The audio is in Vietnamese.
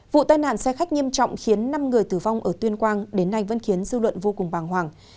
vụ tai nạn xe khách nghiêm trọng khiến năm người tử vong ở tuyên quang đến nay vẫn khiến dư luận vô cùng bàng hoàng